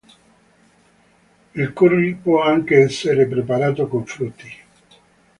Il curry può anche essere preparato con frutti.